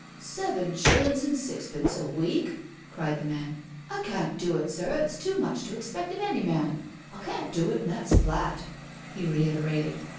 "Seven shillin's and sixpence a week I" cried the man. " I can't do it, sir, it's too much to expect of any man. I can't do it, and that's fiat," he reiterated.